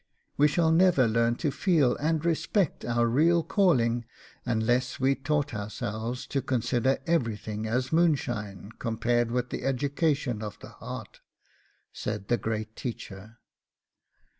We shall never learn to feel and respect our real calling unless we have taught ourselves to consider everything as moonshine compared with the education of the heart,"' said the great teacher.